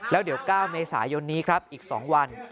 แล้วเดี๋ยว๙เมษายนอีก๒วัน